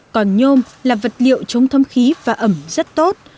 còn nhôm là vật liệu chống thâm khí và ẩm rất tốt